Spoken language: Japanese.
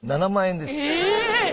７万円です。え！